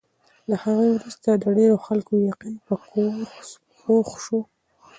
له هغې وروسته د ډېرو خلکو یقین په کورس پوخ شو.